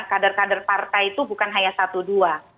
kader kader partai itu bukan hanya satu dua